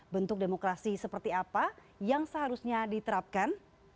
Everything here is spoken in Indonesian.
bentuk demokrasi seperti apa yang seharusnya diterapkan